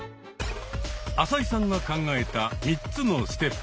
朝井さんが考えた３つのステップ。